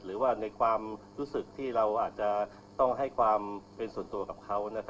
หรือในความรู้สึกที่อาจจะต้องให้เป็นความส่วนตัวกับเค้า